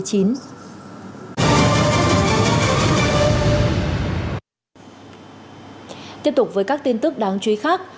tiếp tục với các tin tức đáng chú ý khác